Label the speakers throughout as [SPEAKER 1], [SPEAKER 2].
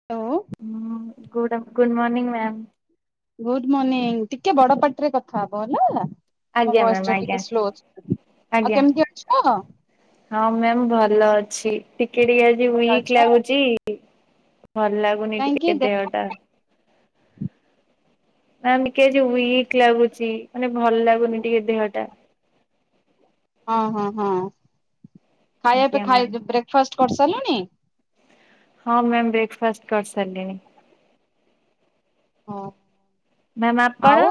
[SPEAKER 1] [unintelligible]
[SPEAKER 2] Good ମୋନିଂ ma'am.
[SPEAKER 1] Good morning ଟିକେ ବଡପାଟିରେ କଥା ହବ ହେଲା। ମୋ
[SPEAKER 2] ଆଜ୍ଞା ମ୍ୟାମ୍
[SPEAKER 1] ଭଏସଟା
[SPEAKER 2] ଆଜ୍ଞା
[SPEAKER 1] ଟିକେ ସ୍ଲୋ ଅଛି। ଆଉ
[SPEAKER 2] ଆଜ୍ଞା।
[SPEAKER 1] କେମିତି ଅଛ?
[SPEAKER 2] ହଁ ମ୍ୟାମ୍ ଭଲ ଅଛି ଟିକେ ଟିକେ ଆଜି ୱିକ୍‌
[SPEAKER 1] ଅଛ
[SPEAKER 2] ଲାଗୁଚି। ଭଲ ଲାଗୁନି
[SPEAKER 1] କାହିଁକି
[SPEAKER 2] ଟିକେ
[SPEAKER 1] ଦେ
[SPEAKER 2] ଦେହ ଟା। ମ୍ୟାମ୍ ଟିକେ ଯୋଉ ୱିକ୍ ଲାଗୁଛି ମାନେ ଭଲ ଲାଗୁନି ଟିକେ ଦେହ ଟା।
[SPEAKER 1] ହଁ ହଁ ହଁ ଖାଇବା ତ
[SPEAKER 2] ଆଜ୍ଞା ମ୍ୟାମ୍।
[SPEAKER 1] ଖାଇବା ବ୍ରେକ୍ଫାଷ୍ଟ କରିସାରିଲଣି?
[SPEAKER 2] ହଁ ମ୍ୟାମ୍ ବ୍ରେକ୍ଫାଷ୍ଟ କରିସାରିଲିଣି।
[SPEAKER 1] ହଁ।
[SPEAKER 2] ମ୍ୟାମ୍ ଆପଣ
[SPEAKER 1] ଆଉ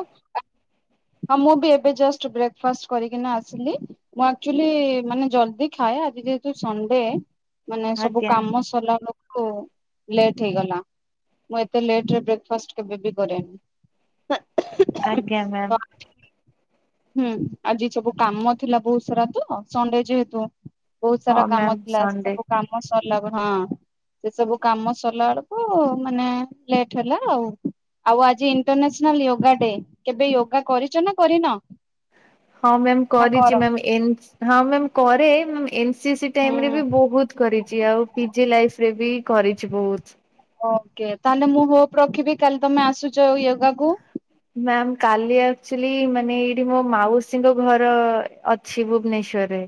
[SPEAKER 1] ହଁ ମୁଁ ବି ଏବେ ଯଷ୍ଟ ବ୍ରେକ୍ଫାଷ୍ଟ କରିକିନା ଆସିଲି। ମୁଁ ଆକଚୁଆଲି ମାନେ ଜଲ୍ଦି ଖାଏ ଆଜି ଯେହେତୁ ସଣ୍ଡେ। ମାନେ ସବୁ
[SPEAKER 2] ଆଜ୍ଞା।
[SPEAKER 1] କାମ ସିରିଲା ଲ ଓ ଲେଟ୍ ହେଇଗଲା ମୁଁ ଏତେ ଲେଟରେ ବ୍ରେକ୍ଫାଷ୍ଟ କେବେବି କରେନି।
[SPEAKER 2] ଆଜ୍ଞା ମ୍ୟାମ୍।
[SPEAKER 1] ତ ହୁଁ ଆଜି ସବୁ କାମ ଥିଲା ବହୁତ ସାରା ତ ସଣ୍ଡେ ଯେହେତୁ। ବହୁତ
[SPEAKER 2] ହଁ
[SPEAKER 1] ସାରା କାମ
[SPEAKER 2] ମ୍ୟାମ୍
[SPEAKER 1] ଥିଲା
[SPEAKER 2] ସଣ୍ଡେ।
[SPEAKER 1] ସବୁ କାମ ସରିଲା ଗୋ ହଁ। ସେ ସବୁ କାମ ସରିଲା ବେଳକୁ ମାନେ ଲେଟ୍ ହେଲା ଆଉ। ଆଉ ଆଜି ଇଣ୍ଟରନ୍ୟାସନାଲ ଯୋଗା ଡେ କେବେ ୟୋଗା କରିଛ ନା କରିନ?
[SPEAKER 2] ହଁ ମ୍ୟାମ୍
[SPEAKER 1] ନା
[SPEAKER 2] କରିଛି
[SPEAKER 1] କର
[SPEAKER 2] ମ୍ୟାମ୍ ହଁ ମ୍ୟାମ୍ କରେ ଏନସି
[SPEAKER 1] ହୁଁ
[SPEAKER 2] ଟାଇମ୍ ରେ ବି ବହୁତ କରିଛି ଆଉ ପିଜି ଲାଇଫ୍‌ ରେ ବି କରିଛି ବହୁତ।
[SPEAKER 1] ଓକେ ତାହେଲେ ମୁଁ ହୋପ ରଖିବି କାଲି ତମେ ଆସୁଛଉ ୟୋଗା କୁ?
[SPEAKER 2] ମ୍ୟାମ୍ କାଲି ଆକ୍ଚୁଆଲି ମାନେ ଏଇଠି ମୋ ମାଉସୀଙ୍କ ଘର ଅଛି ଭୁବନେଶ୍ଵରରେ।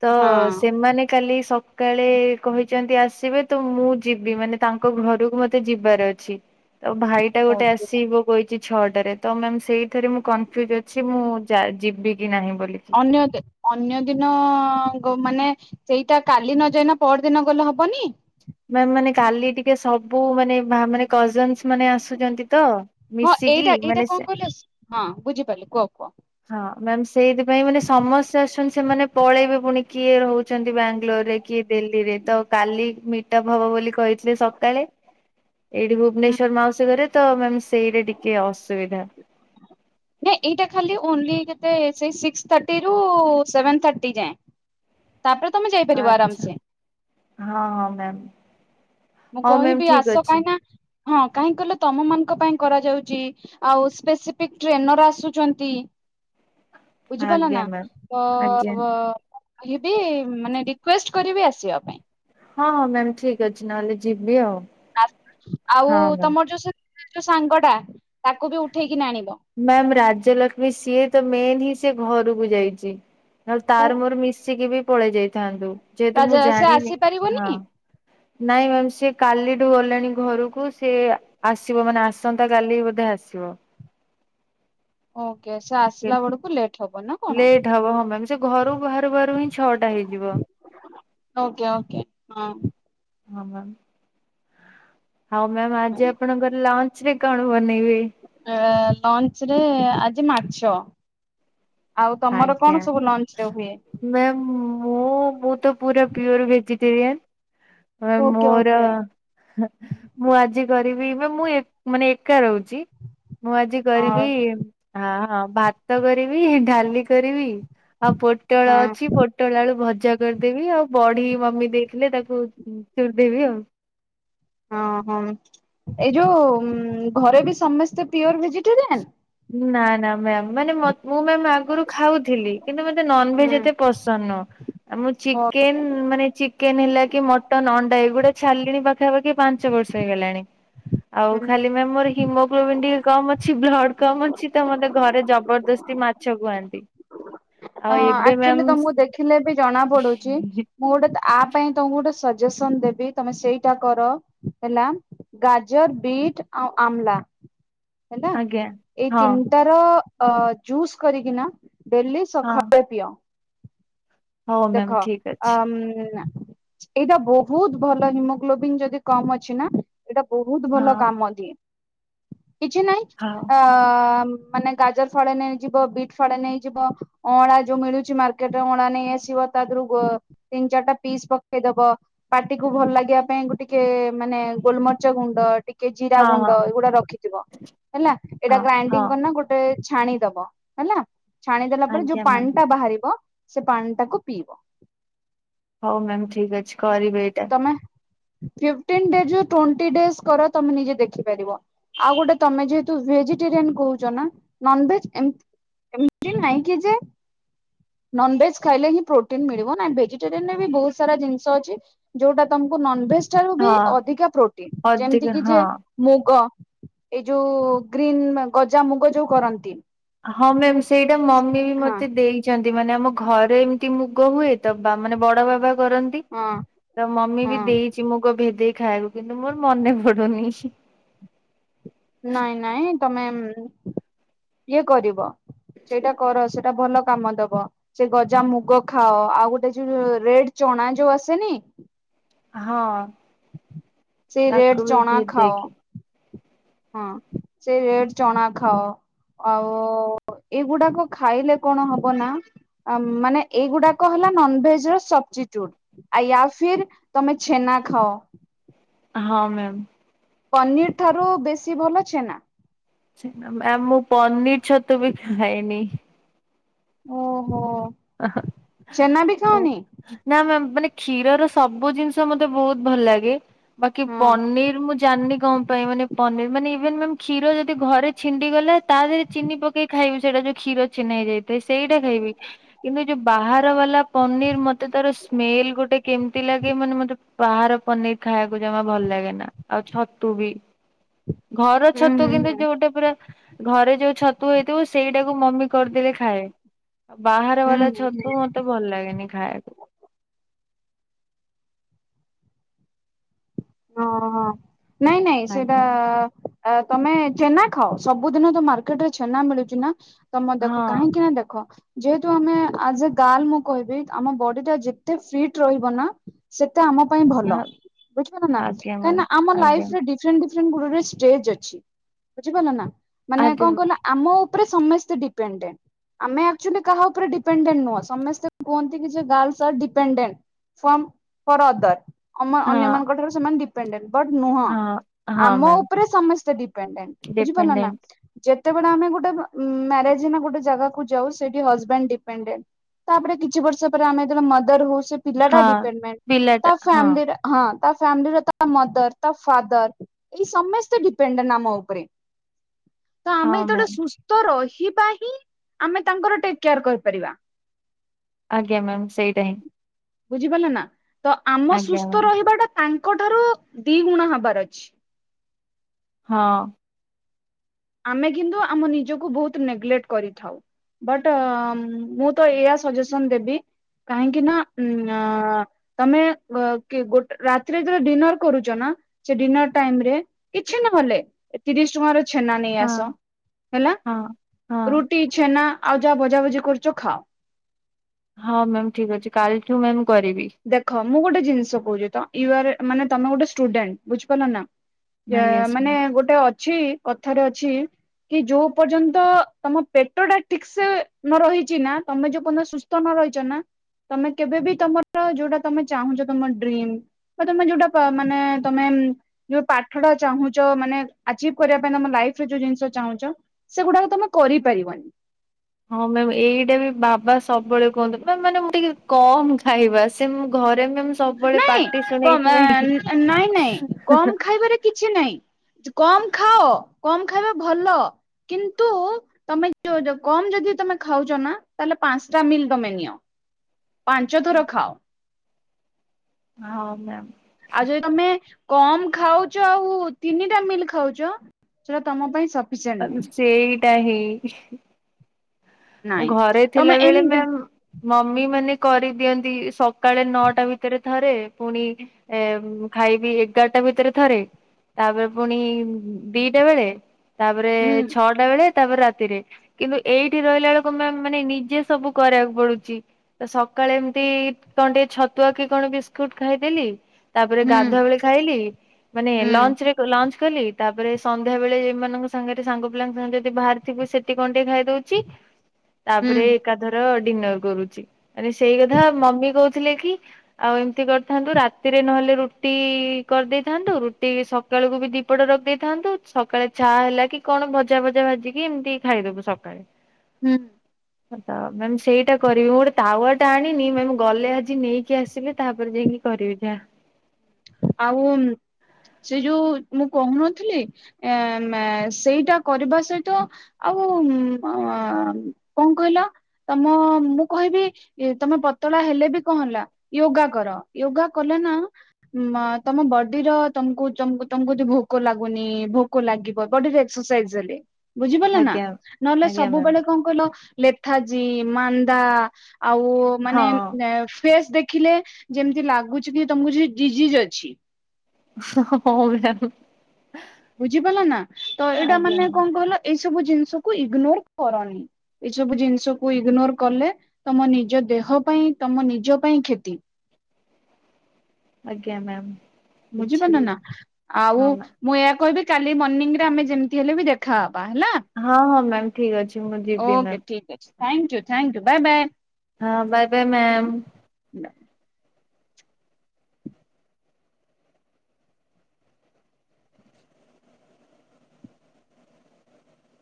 [SPEAKER 1] ହଁ
[SPEAKER 2] ତ ସେମାନେ କାଲି ସ ସକାଳେ କହିଛନ୍ତି ଆସିବେ ତ ମୁଁ ଯିବି ମାନେ ତାଙ୍କ ଘରକୁ ମତେ ଯିବାର ଅଛି। ତ ଭାଇଟା ଗୋଟେ
[SPEAKER 1] ଓକେ
[SPEAKER 2] ଆସିବ କହିଛି। ଛଅଟାରେ ତ ମ୍ୟାମ ସେଇଥିରେ ମୁଁ କନଫ୍ୟୁଜ ଅଛି ମୁଁ ଯିବି କି ନାହିଁ ବୋଲି।
[SPEAKER 1] ଅ ଅନ୍ୟ ଦିନ ଗ ମାନେ ସେଇଟା କାଲି ନ ଯାଇନା ପର ଦିନ ଗଲେ ହବନି?
[SPEAKER 2] ନା ମ୍ୟାମ୍ ମାନେ କାଲି ଟିକେ ସବୁ ମାନେ ମାନେ କଜନ୍ସ ମାନେ ଆସୁଛନ୍ତି ତ।
[SPEAKER 1] ହଁ
[SPEAKER 2] ମିଶିକି
[SPEAKER 1] ଏଇଟା ଏଇଟା
[SPEAKER 2] ମାନେ ସେ
[SPEAKER 1] କଣ କଲେ ହଁ ବୁଝିପାରିଲି କୁହ କୁହ।
[SPEAKER 2] ହଁ ମ୍ୟାମ ସେଇଥିପାଇଁ ମାନେ ସମସ୍ତେ ଆସୁଛନ୍ତି ସେମାନେ ପଳେଇବେ ପୁଣି କିଏ ରହୁଛନ୍ତି ବାଙ୍ଗାଲୋରରେ କିଏ ଦିଲ୍ଲୀରେ ତ କାଲି ମିଟପ ହବ ବୋଲି କହିଥିଲେ ସକାଳେ।
[SPEAKER 1] ହ
[SPEAKER 2] ଏଇଠି ଭୁବନେଶ୍ଵର ମାଉସୀ ଘରେ ତ ମ୍ୟାମ ସେଇଟା ଟିକେ ଅସୁବିଧା।
[SPEAKER 1] ନାଇଁ ଏଇଟା ଖାଲି ଓନଲି କେତେ ସିକ୍ସ ଥାର୍ଟି ରୁ ସେଭେନ ଥାର୍ଟି ଯାଏଁ। ତାପରେ ତମେ ଯାଇପାରିବ
[SPEAKER 2] ଆଚ୍ଛା
[SPEAKER 1] ଆରାମସେ
[SPEAKER 2] ହଁ ହଁ ମ୍ୟାମ୍।
[SPEAKER 1] ମୁଁ
[SPEAKER 2] ହଉ ମ୍ୟାମ୍
[SPEAKER 1] କହିବି
[SPEAKER 2] ଠିକ୍
[SPEAKER 1] ଆସ
[SPEAKER 2] ଅଛି
[SPEAKER 1] କାହିଁ ନା ହଁ କାହିଁକି କହିଲ ତମ ମାନଙ୍କ ପାଇଁ କରାଯାଉଛି। ଆଉ ସ୍ପେସିଫିକ ଟ୍ରେନର ଆସୁଛନ୍ତି। ବୁଝିପାରିଲ
[SPEAKER 2] ଆଜ୍ଞା
[SPEAKER 1] ନା
[SPEAKER 2] ମ୍ୟାମ୍
[SPEAKER 1] ତ
[SPEAKER 2] ଆଜ୍ଞା
[SPEAKER 1] ବ କହିବି ମାନେ ରିକୁଏଷ୍ଟ କରିବି ଆସିବା ପାଇଁ।
[SPEAKER 2] ହଁ ହଁ ମ୍ୟାମ ଠିକ ଅଛି ନହେଲେ ଯିବି ଆଉ।
[SPEAKER 1] ଆଉ
[SPEAKER 2] ହଁ ମ୍ୟାମ୍।
[SPEAKER 1] ତମର ଯୋଉ ସେ ଯୋଉ ସାଙ୍ଗ ଟା ତାକୁ ବି ଉଠେଇକି ନା ଆଣିବ।
[SPEAKER 2] ମ୍ୟାାମ ରାଜଲକ୍ଷ୍ମୀ ସିଏ ତ ମେନ ହିଁ ସେ ଘରକୁ ଯାଇଛି। ନହେଲେ ତାର
[SPEAKER 1] କୁ-
[SPEAKER 2] ମୋର ମିଶିକି ବି ପଳେଇ ଯାଇଥାନ୍ତୁ ଯେହେତୁ
[SPEAKER 1] ରାଜା
[SPEAKER 2] ମୁଁ
[SPEAKER 1] ସେ
[SPEAKER 2] ଜାଣିନି
[SPEAKER 1] ଆସିପାରିବନି
[SPEAKER 2] ହଁ ନାଇଁ ମ୍ୟାମ ସିଏ କାଲିଠୁ ଗଲାଣି ଘରକୁ ସେ ଆସିବ ମାନେ ଆସନ୍ତା କାଲି ବୋଧେ ଆସିବ।
[SPEAKER 1] ଓକେ ସେ ଆସିଲା ବେଳକୁ ଲେଟ୍ ହବ ନା କଣ?
[SPEAKER 2] ଲେଟ୍ ହବ [unintelligible] ସେ ଘରୁ ବାହାରୁ ବାହାରୁ ହିଁ ଛଅଟା ହେଇଯିବ।
[SPEAKER 1] ଓକେ ଓକେ ହଁ।
[SPEAKER 2] ହଁ ମ୍ୟାମ୍। ହଉ ମ୍ୟାାମ ଆଜି ଆପଣଙ୍କର ଲଞ୍ଚ ରେ କଣ ବନେଇବେ?
[SPEAKER 1] ଆଆ ଲଞ୍ଚ ରେ ଆଜି ମାଛ। ଆଉ ତମର
[SPEAKER 2] ଆଜ୍ଞା
[SPEAKER 1] କଣ ସବୁ ଲଞ୍ଚ ରେ ହୁଏ?
[SPEAKER 2] ମ୍ୟାମ୍ ମୁଁ ମୁଁ ତ ପୁରା ପିଓର ଭେଜିଟେରିଆନ୍। ମ୍ୟାମ୍
[SPEAKER 1] ଓକେ
[SPEAKER 2] ମୋର
[SPEAKER 1] ଓକେ।
[SPEAKER 2] ମୁଁ ଆଜି କରିବି ବା ମୁଁ ମାନେ ଏକା ରହୁଛି। ମୁଁ ଆଜି କରିବି
[SPEAKER 1] ହଁ
[SPEAKER 2] ହଁଁ ଭାତ କରିବି ଡାଲି କରିବି। ଆଉ ପୋଟଳ
[SPEAKER 1] ହଁ
[SPEAKER 2] ଅଛି ପୋଟଳ ଆଳୁ ଭଜା କରିଦେବି ଆଉ ବଢି ମମି ଦେଇଥିଲେ ତାକୁ ଚୂରଦେବୀ ଆଉ।
[SPEAKER 1] ହଁ ହଁ ଏଇ ଯୋଉ ଘରେ ବି ସମସ୍ତେ ପିଓର ଭେଜିଟେରିଆନ?
[SPEAKER 2] ନା ନା ମ୍ୟାମ୍ ମାନେ ମ ମୁଁ ମ୍ୟା ଆଗରୁ ଖାଉଥିଲି କିନ୍ତୁ ମତେ
[SPEAKER 1] ହୁଁ
[SPEAKER 2] ନନଭେଜ୍ ଏତେ ପସନ୍ନ। ଆଉ ମୁଁ
[SPEAKER 1] ଓ
[SPEAKER 2] ଚିକେନ ମାନେ ଚିକେନ ହେଲା କି ମଟନ ଅଣ୍ଡା ଏଗୁଡା ଛାଡିଲିଣି ବା ପାଖା ପାଖି ପାଞ୍ଚ ବର୍ଷ ହେଇଗଲାଣି।
[SPEAKER 1] ହଁ
[SPEAKER 2] ଆଉ ଖାଲି ମ୍ୟାମ୍ ମୋର ହିମୋଗ୍ଲୋବିନ୍ ଟିକେ କମ୍ ଅଛି ବ୍ଲଡ଼ କମ୍ ଅଛି ତ ମତେ ଘରେ ଜବରଦସ୍ତି ମାଛ ଖୁଆନ୍ତି। ଆଉ
[SPEAKER 1] ହଁ
[SPEAKER 2] ଏବେ
[SPEAKER 1] ଆକ୍ଚୁଆଲି ତମୁକୁ
[SPEAKER 2] ମ୍ୟାମ୍
[SPEAKER 1] ଦେଖିଲେ ବି ଜଣା ପଡ଼ୁଚି। ମୁଁ ଗୋଟେ ଆ ପାଇଁ ତମୁ ଗୋଟେ ସଜେସନ ଦେବି ତମେ ସେଇଟା କର ହେଲା। ଗାଜର ବିଟ୍ ଆଉ ଆମ୍ଲା ହେଲା।
[SPEAKER 2] ଆଜ୍ଞା
[SPEAKER 1] ଏଇ
[SPEAKER 2] ହଁ
[SPEAKER 1] ତିନିଟାର ଅ ଜୁସ୍ କରିକିନା ଡେଲି
[SPEAKER 2] ହଁ
[SPEAKER 1] ସଖାଳେ ପିଅ।
[SPEAKER 2] ହଉ ମ୍ୟାମ୍
[SPEAKER 1] ଦେଖ
[SPEAKER 2] ଠିକ୍ ଅଛି
[SPEAKER 1] ଆମ୍ ନା ଏଇଟା ବହୁତ ଭଲ ହିମୋଗ୍ଲୋବିନ୍ ଯଦି କମ ଅଛି ନାଁ ଏଟା ବହୁତ
[SPEAKER 2] ହଁ
[SPEAKER 1] ଭଲ କାମ ଦିଏ କିଛି ନାଇଁ
[SPEAKER 2] ହଉ।
[SPEAKER 1] ଅମ୍ ମାନେ ଗାଜର ଫାଳେ ନେଇଯିବ। ବିଟ୍ ଫାଳେ ନେଇଯିବ। ଅଁଳା ଯୋଉ ମିଳୁଚି ମାର୍କେଟ ରେ ଅଁଳା ନେଇ ଆସ୍ ବ ତାଧୁରୁ ଗୋ ତିନି ଚାରିଟା ପିସ୍ ପକେଇଦବ। ପାଟିକୁୁ ଭଲ ଲାଗିବା ପାଇଁ ଗୋ ଟିକେ ମାନେ ଗୋଲ ମରିଚ ଗୁଣ୍ଡ ଟି କେ ଜିରା
[SPEAKER 2] ହଁ
[SPEAKER 1] ଗୁଣ୍ଡ
[SPEAKER 2] ହଁ
[SPEAKER 1] ଏଗୁଡ଼ା ରଖିଥିବ ହେଲା ଏଟା
[SPEAKER 2] ହଁ ହଁ
[SPEAKER 1] ଗ୍ରାଇଣ୍ଡିଙ୍ଗ କରିନ ଗୋ ଟେ ଛାଣିଦବ ହେଲା। ଛାଣି ଦେଲା ପରେ ଯୋଉ
[SPEAKER 2] ଆଜ୍ଞା ମ୍ୟାମ୍
[SPEAKER 1] ପାଣିଟା ବାହାରିବ ସେ ପାଣିଟାକୁ ପିଇବ।
[SPEAKER 2] ହଉ ମ୍ୟାମ୍ ଠିକ୍ ଅଛି କରିବି ଏଇଟା।
[SPEAKER 1] ତମେ ଫିପ୍ଟିନ୍‌ ଡେଜ୍‌ ରୁ ଟୋଣ୍ଟି ଡେଜ୍‌ କର ତମେ ନିଜେ ଦେଖିପାରିବ। ଆଉ ଗୋଟେ ତମେ ଯେହେତୁ ଭେଜିଟେରିଆନ କୋହୁଚ ନା ନନଭେଜ୍ ଏମ୍ ଏମତି ନାହିଁ କି ଯେ ନନଭେଜ୍ ଖାଇଲେ ହିଁ ପ୍ରୋଟିନ୍‌ ମିଳିବ ନାଁ ଭେଜିଟେରିଆନରେ ବି ବୋହୁତ ସାରା ଜିନିଷ ଅଛି ଯୋଉଟା ତମକୁ ନନ୍‌ଭେଜ ଚାରୁ ବି
[SPEAKER 2] ହଁ
[SPEAKER 1] ଅଧିକା ପ୍ରୋଟିନ
[SPEAKER 2] ଅଧିକ
[SPEAKER 1] ଯେମତି କି
[SPEAKER 2] ହଁ।
[SPEAKER 1] ଯେ ମୁଗ ଏଇ ଯୋଉ ଗ୍ରୀନ ଗଜା ମୁଗ ଯୋଉ କରନ୍ତି।
[SPEAKER 2] ହଁ ମ୍ୟାମ୍ ସେଇଟା ମମି ବି
[SPEAKER 1] ହଁ
[SPEAKER 2] ମତେ ଦେଇ ଚନ୍ତି ମାନେ ଆମ ଘରେ ଏମିତି ମୁଗ ହୁଏ ତ ବା ମାନେ ବଡ଼ ବାବା କରନ୍ତି।
[SPEAKER 1] ହଁ
[SPEAKER 2] ତ ମମି
[SPEAKER 1] ହଁ
[SPEAKER 2] ବି ଦେଇଚି ମୁଗ ଭେଦେଇ ଖାଇବାକୁ କିନ୍ତୁ ମୋର ମନେ ପଡ଼ୁନି।
[SPEAKER 1] ନାଇଁ ନାଇଁ ତମେ ଇଏ କରିବ। ସେଇଟା କର ସେଇଟା ଭଲ କାମ ଦବ। ସେ ଗଜା ମୁଗ ଖାଅ ଆଉ ଗୋଟେ ଯୋଉ ରେଡ ଚଣା ଯୋଉ ଆସେନି?
[SPEAKER 2] ହଁ
[SPEAKER 1] ସେଇ
[SPEAKER 2] ତାକୁ
[SPEAKER 1] ରେଡ୍
[SPEAKER 2] ବି
[SPEAKER 1] ଚଣା ଖାଅ।
[SPEAKER 2] ଭେଦେଇକି
[SPEAKER 1] ହଁ ସେ ରେଡ୍‌ ଚଣା ଖାଅ। ଆଉ ଏଗୁଡ଼ାକ ଖାଇଲେ କଣ ହବ ନାଁ ଅ ମାନେ ଏଇ ଗୁଡ଼ାକ ହେଲା ନନଭେଜ୍ ର ସବଚିଚୁଡ୍‌। ଆ ୟା ଫିର ତମେ ଛେନା ଖାଅ।
[SPEAKER 2] ହଁ ମ୍ୟାମ୍।
[SPEAKER 1] ପନିର ଠାରୁ ବେଶୀ ଭଲ ଛେନା।
[SPEAKER 2] ଛେନା ମ୍ୟାମ ମୁଁ ପନିର ଛତୁ ବି ଖାଏନି।
[SPEAKER 1] ଓହୋ ଛେନା ବିି ଖାଅନି?
[SPEAKER 2] ନାଁ ମ୍ୟାମ ମାନେ କ୍ଷୀରର ସବୁ ଜିନିଷ ମତେ ବହୁତ ଭଲ ଲାଗେ। ବାକି
[SPEAKER 1] ହଁ
[SPEAKER 2] ପନିର ମୁଁ ଜାଣିନି କଁ ପାଇଁ ମାନେ ପନିର ମାନେ ଇଭିନ୍‌ ମ୍ୟାମ୍ କ୍ଷୀର ଯଦି ଘରେ ଛିଣ୍ଡିଗଲା ତା ଦେହରେ ଚିନି ପକେଇ ଖାଇବି ସେଇଟା ଯୋଉ କ୍ଷୀର ଛେନା ହେଇ ଯାଇଥାଏ ସେଇଟା ଖାଇବି। କିନ୍ତୁ ଏଇ ଯୋଉ ବାହାର ବାଲା ପନିର ମତେ ତାର ସ୍ମେଲ୍ ଗୋଟେ କେମତି ଲାଗେ ମାନେ ମତେ ବାହାର ପନିର ଖାଇବାକୁ ଜମା ଭଲ ଲାଗେନା ଆଉ ଛତୁ ବି। ଘର
[SPEAKER 1] ହୁଁ
[SPEAKER 2] ଛତୁ
[SPEAKER 1] ହୁଁ
[SPEAKER 2] କିନ୍ତୁ ଯୋଉଟା ପୁରା ଘରେ ଯୋଉ ଛତୁ ହେଇଥିବ ସେଇଟାକୁ ମମି କରିଦେଲେ ଖାଏ ବାହାର
[SPEAKER 1] ହୁଁ
[SPEAKER 2] ବାଲା
[SPEAKER 1] ହୁଁ ହୁଁ।
[SPEAKER 2] ଛତୁ ମତେ ଭଲ ଲାଗେନି ଖାଇବାକୁ।
[SPEAKER 1] ହଁ ହଁ ନାଇଁ ନାଇଁ ସେଇଟା
[SPEAKER 2] ଆଜ୍ଞା
[SPEAKER 1] ଆ ତମେ ଛେନା ଖାଅ ସବୁଦିନତ ମାର୍କେଟରେ ଛେନା ମିଳୁଚିନା ତମେ ଦେଖ
[SPEAKER 2] ହଁ।
[SPEAKER 1] କାହିଁକିନା ଦେଖ ଯେହେତୁ ଆମେ ଆଜ୍ ଏ ଗାର୍ଲ ମୁଁ କହିବି ଆମ ବଡ଼ିଟା ଯେତେ ଫିଟ୍ ରହିବନା ସେତେ ଆମ ପାଇଁ ଭଲ।
[SPEAKER 2] ହଁ ଆଜ୍ଞା
[SPEAKER 1] କାହିଁକିନା
[SPEAKER 2] ମ୍ୟାମ୍
[SPEAKER 1] ଆମ
[SPEAKER 2] ଆଜ୍ଞା
[SPEAKER 1] ଲାଇଫରେ ଡିଫରେଣ୍ଟ ଡିଫରେଣ୍ଟ୍ ଗୋଡ଼ରେ ଷ୍ଟେଜ୍ ଅଛି ବୁଝିପାରିଲେନା। ମାନେ
[SPEAKER 2] ଆଜ୍ଞା
[SPEAKER 1] କଣ କହିଲ
[SPEAKER 2] ମ୍ୟାମ୍
[SPEAKER 1] ଆମ ଉପରେ ସମସ୍ତେ ଡିପେଣ୍ଡେଣ୍ଟ ଆମେ ଆକ୍ଚୁଆଲି କାହା ଉପରେ ଡିପେଣ୍ଡେଣ୍ଟ ନୁହଁ ସମସ୍ତେ କୁହନ୍ତିକି ଯୋଉ girl are dependent form for other ଅନ୍ୟ
[SPEAKER 2] ହଁ
[SPEAKER 1] ମାନଙ୍କ ଠାରୁ ସେମାନେ ଡି ପେଣ୍ତେଣ୍ଟ ବଟ୍ ନୁହଁ
[SPEAKER 2] ହଁ ହଁ
[SPEAKER 1] ଆମ
[SPEAKER 2] ମ୍ୟାମ୍
[SPEAKER 1] ଉପରେ ସମସ୍ତେ ଡିପେଡ଼େଣ୍ଟ ବୁଝିପାରିଲ ନା।
[SPEAKER 2] ଡିପେଣ୍ଡେଣ୍ଟ
[SPEAKER 1] ଯେତେବେଳେ ଆମେ ଗୋଟେ ମ୍ୟାରେଜରେନା ଗୋଟେ ଜାଗାକୁ ଯାଉ ସେଠି ହଜବେଣ୍ଡ ଡିପେଣ୍ଡେଣ୍ଟ ତାପରେ କିଛି ବର୍ଷ ପରେ ଆମେ ଯେବେଳେ ମଦର ହଉ ସେ ପିଲାଟା
[SPEAKER 2] ହଁ
[SPEAKER 1] ଡିପେଣ୍ଡେମେଣ୍ଡ
[SPEAKER 2] ପିଲାଟା
[SPEAKER 1] ତା
[SPEAKER 2] ହଁ
[SPEAKER 1] ଫାମିଲିର ହଁ ତା ଫ୍ୟାମିଲିର ତା ମଦର ତା ଫାଦର ଏଇ ସମସ୍ତେ ଡିପେଣ୍ଡଡ଼େଣ୍ଟ ଆମ ଉପରେ ତ
[SPEAKER 2] ହଁ
[SPEAKER 1] ଆମେ ଏତେବେଳେ
[SPEAKER 2] ମ୍ୟାମ୍
[SPEAKER 1] ସୁ ତ ରହିବା ହିଁ ଆମେ ତାଙ୍କର ଟେକ୍ କେୟାର କରିପାରିବା।
[SPEAKER 2] ଆଜ୍ଞା ମ୍ୟାମ୍ ସେଇଟା ହିଁ।
[SPEAKER 1] ବୁଝିପାରିଲନା ତଆମ
[SPEAKER 2] ଆଜ୍ଞା
[SPEAKER 1] ସୁସ୍ଥ
[SPEAKER 2] ମ୍ୟାମ୍
[SPEAKER 1] ରହିବାଟା ତାଙ୍କ ଠାରୁ ଦି ଗୁଣ ହବାର ଅଛି।
[SPEAKER 2] ହଁ।
[SPEAKER 1] ଆମେ କିନ୍ତୁ ଆମ ନିଜକୁ ବହୁତ୍ ନେଗ୍ଲେଟ କରିଥାଉ। ବଟ୍ ମୁଁ ତ ଏଇଆ ସଜେସନ ଦେବି କାହିଁକିନା ଆଁ ତମେ କେ ଗୋଟେ ରାତିରେ ଯେତେବେଳ ଡିନର୍ କରୁଚନା ସେ ଡିନର୍ ଟାଇମରେ କିଛି ନହେଲେ ତିରିଶ ଟଙ୍କାରେ ଛେ ଛେନା ନେଇ
[SPEAKER 2] ହଁ
[SPEAKER 1] ଆସ ହେଲା
[SPEAKER 2] ହଁ ହଁ
[SPEAKER 1] ରୁଟି ଛେନା ଆଉ ଯାହା ଭଜାବଜି କରୁଚ ଖାଅ।
[SPEAKER 2] ହଁ ମ୍ୟାାମ ଠିକ୍ ଅଛି କାଲିଠୁ ମ୍ୟାାମ କରିବି।
[SPEAKER 1] ଦେଖ ମୁଁ ଗୋଟେ ଜିନିଷ କହୁଚି ୟୁ ଆରେ ମାନେ ତମେ ଗୋଟେ ଷ୍ଟୁଡେଣ୍ଟ ବୁଝିପାରିଲନା ଆଁ
[SPEAKER 2] ୟେସ୍
[SPEAKER 1] ମାନେ
[SPEAKER 2] ମ୍ୟାମ୍
[SPEAKER 1] ଗୋଟେ ଅଛି କଥାରେ ଅଛି କି ଯୋଉ ପର୍ଯ୍ୟନ୍ତ ତମ ପେଟଟା ଠିକ୍ ସେ ନରହିଚିନା ତମେ ଯୋଉ ପର୍ଯ୍ୟନ୍ତ ସୁସ୍ଥ ସୁସ୍ଥ ନ ରହିଚନା ତମେ କେବେବି ତମର ଯୋଉଟା ତମେ ଚାହୁଁଚ ତମ ଡ୍ରିମ୍ ବା ତମେ ଯୋଉଟା ପ ମାନେ ତମେ ଯୋଉ ପାଠଟା ଚାହୁଁଛ ମାନେ ଆଚିଭ୍ କରିବା ପାଇଁ ଆମ ଲାଇଫରେ ଯୋଉ ଜିନିଷ ଚାହୁଁଚ ସେଗୁଡ଼ାକ ତମେ କରିପାରିବନି।
[SPEAKER 2] ହଁ ମ୍ୟାମ୍ ଏଇଟାବି ବାବା ସବୁବେଳେ କୁହନ୍ତୁ ମାନେ ମୁଁ ଟିକେ କମ୍ ଖାଇବା ସେ ମୁଁ ଘରେ ମ୍ୟାମ୍ ସବୁବେଳେ
[SPEAKER 1] ନାଇଁ
[SPEAKER 2] ପାଟି ଶୁଣେ
[SPEAKER 1] କମା
[SPEAKER 2] ଏଇଥିପାଇଁ
[SPEAKER 1] ନାଇଁ ନାଇଁ କମ୍ ଖାଇବାରେ କିଛି ନାଇଁ କମ୍ ଖାଅ କମ୍ ଖାଇବା ଭଲ କିନ୍ତୁ ତମେ ଯ କମ୍ ଯଦି ତମେ ଖାଉଚନା ତାହଲେ ପାଞ୍ଚଟା ମିଲ୍ ତମେ ନିଅ। ପାଞ୍ଚ ଥର ଖାଅ।
[SPEAKER 2] ହଁ ମ୍ୟାମ୍।
[SPEAKER 1] ଆଉ ଯଦି ତମେ କମ୍ ଖାଉଚ ଆଉ ତିନିଟା ମିଲ୍ ଖାଉଚ ସେଟା ତମ ପାଇଁ ସ
[SPEAKER 2] ସେଇଟା ହିଁ।
[SPEAKER 1] ନାଇଁ
[SPEAKER 2] ଘରେ
[SPEAKER 1] ତମେ
[SPEAKER 2] ଥିଲା ବେଳେ
[SPEAKER 1] ଏମିତି
[SPEAKER 2] ମ୍ୟାମ୍ ମମି ମାନେ କରିଦିଅନ୍ତି ସକାଳେ ନଅଟା ଭିତରେ ଥରେ ପୁଣି ଏ ଖାଇବି ଏଗାରଟା ଭିତରେ ଥରେ ତାପରେ ପୁଣି ଦିଟା ବେଳେ ତାପରେ
[SPEAKER 1] ହୁଁ
[SPEAKER 2] ଛଅଟା ବେଳେ ତାପରେ ରାତିରେ କିନ୍ତୁ ଏଇଠି ରହିଲା ବେଳକୁ ମ୍ୟାମ୍ ମାନେ ନିଜେ ସବୁ କରିବାକୁ ପଡୁଛି। ତ ସକାଳେ ଏମିତି କଣ ଟିକେ ଛତୁଆ କି କଣ ବିସ୍କୁଟ ଖାଇଦେଲି ତାପରେ
[SPEAKER 1] ହୁଁ
[SPEAKER 2] ଗାଧୁଆ ବେଳେ ଖାଇଲି ମାନେ
[SPEAKER 1] ହୁଁ
[SPEAKER 2] ଲଞ୍ଚ ରେ ଲଞ୍ଚ କଲି ତାପରେ ସନ୍ଧ୍ୟା ବେଳେ ଏମାନଙ୍କ ସାଙ୍ଗରେ ସାଙ୍ଗ ପିଲାଙ୍କ ସାଙ୍ଗେ ଯଦି ବାହାରିଥିବି ସେଠି କଣ ଟିକେ ଖାଇଦଉଚି।
[SPEAKER 1] ହୁଁ
[SPEAKER 2] ତାପରେ ଏକାଥର ଡିନର କରୁଛି ମାନେ ସେଇ କଥା ମମି କହୁଥିଲେ କି ଆଉ ଏମିତି କରିଥାନ୍ତୁ ରାତିରେ ନହେଲେ ରୁଟି କରିଦେଇଥାନ୍ତୁ ରୁଟି ସ ସକାଳୁକୁ ବି ଦିପଟ ରଖିଦେଇଥାନ୍ତୁ ସକାଳେ ଚାହା ହେଲା କି କଣ ଭଜା ଭଜା ଭାଜିକି ଏମିତି ଖାଇଦବୁ ସକାଳେ।
[SPEAKER 1] ହୁଁ।
[SPEAKER 2] ହ ତ ମ୍ୟାମ୍ ସେଇଟା କରିବି ମୁଁ ଗୋଟେ ତାୱାଟା ଆଣିନି ମ୍ୟାମ୍ ଗଲେ ଆଜି ନେଇକି ଆସିବି ତାପରେ ଯାଇକି କରିବି ଯା
[SPEAKER 1] ଆଉ ସେ ଯୋଉ ମୁଁ କହୁନଥିଲି ଏ ମା ସେଇଟା କରିବା ସହିତ ଆଉ କଣ କଣ କହିଲ ତମ ମୁଁ କହିବି ତମେ ପତଳା ହେଲେ ବି କଣ ହେଲା। ୟୋଗା କର ୟୋଗା କଲେ ନା ତମ ବଡିର ତମକୁ ତମକୁ ଭୋକ ଲାଗୁନି ଭୋକ ଲାଗିବ ବଡିରେ [unintelligible] ବୁଜିପାରିଲନା
[SPEAKER 2] ଆଜ୍ଞା
[SPEAKER 1] ନହଲେ
[SPEAKER 2] ଆଜ୍ଞା ମ୍ୟାମ୍
[SPEAKER 1] ସବୁବେଳେ କଣ କହିଲ ଲେଥାଜି ମାନ୍ଦା ଆଉ ମାନେ
[SPEAKER 2] ହଁ
[SPEAKER 1] ଫେସ୍ ଦେଖ ଦେଖିଲେ ଯେମିତି ଲାଗୁଛି କି ତମକୁ ଯ ଡିଜିଜ ଅଛି।
[SPEAKER 2] ହଉ।
[SPEAKER 1] ବୁଝିପାରିଲ ନା ତ ଏଇଟା
[SPEAKER 2] ଆଜ୍ଞା
[SPEAKER 1] ମାନେ
[SPEAKER 2] ମ୍ୟାମ୍
[SPEAKER 1] କଣ କହିଲ ଏଇ ସବୁ ଜିନିଷକୁୁ ଇଗ୍ନୋର କରନି। ଏଇ ସବୁ ଜିନିଷକୁୁ ଇଗନୋର କଲେ ତମ ନିଜ ଦେହ ପାଇଁ ତମ ନିଜ ପାଇଁ କ୍ଷତି।
[SPEAKER 2] ଆଜ୍ଞା ମ୍ୟମ୍।
[SPEAKER 1] ବୁଝିପାରୁ ନା ନା ଆଉ ମୁଁ ଏହା କହିବି କାଲି ମର୍ଣ୍ଣିିଂ ରେ ଆମେ ଯେମିତି ହେଲେ ବି ଦେଖାହବା ହେଲା।
[SPEAKER 2] ହଁ ହଁ ମ୍ୟାମ୍ ଠିକ୍ ଅଛି ମୁଁ ଯିବି
[SPEAKER 1] ଓକେ
[SPEAKER 2] ମ୍ୟାମ୍।
[SPEAKER 1] ଠିକ ଅଛି thank you thank you bye bye.
[SPEAKER 2] ହଁ ବାଏ ବାଏ ମ୍ୟମ୍।